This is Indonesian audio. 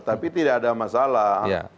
tapi tidak ada masalah